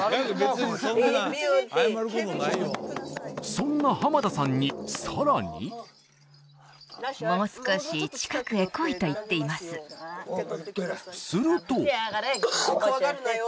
そんな濱田さんにさらにすると怖がるなよ